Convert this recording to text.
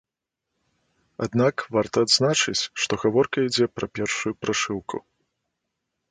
Аднак, варта адзначыць, што гаворка ідзе пра першую прашыўку.